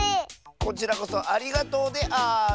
こちらこそありがとうである！